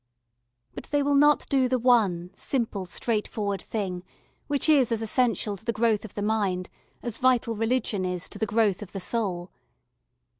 But they will not do the one simple, straightforward thing which is as essential to the growth of the mind as vital religion is to the growth of the soul.